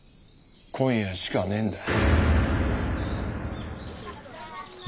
今夜しかねえんだ。